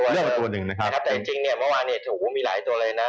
เลือกมาตัวนึงแต่จริงเมื่อวานเนี่ยมีหลายตัวเลยนะ